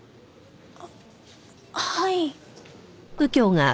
あっはい。